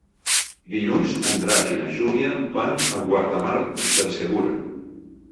Dilluns en Drac i na Júlia van a Guardamar del Segura.